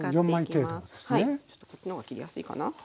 ちょっとこっちの方が切りやすいかな。